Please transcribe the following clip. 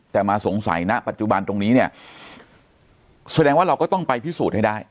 แต่มาสงสัยณปัจจุบันตรงนี้เนี่ยแสดงว่าเราก็ต้องไปพิสูจน์ให้ได้